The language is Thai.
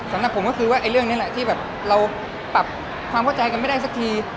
สำหรับผมก็คือว่าเรื่องนี้แหละที่แบบเราปรับความเข้าใจกันไม่ได้สักที